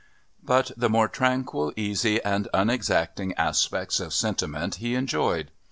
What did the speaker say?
But the more tranquil, easy and unexacting aspects of sentiment he enjoyed.